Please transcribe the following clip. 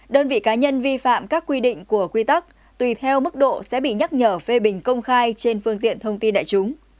đơn vị cá nhân vi phạm các quy định của quy tắc tùy theo mức độ sẽ bị nhắc nhở phê bình công khai trên phương tiện thông tin đại chúng